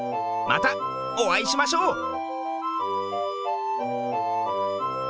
またおあいしましょう。